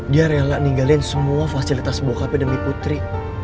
dia rela ninggalin semua fasilitas bukhapedemi putri